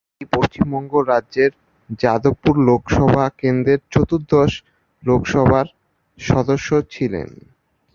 তিনি পশ্চিমবঙ্গ রাজ্যের যাদবপুর লোকসভা কেন্দ্রের চতুর্দশ লোকসভার সদস্য ছিলেন।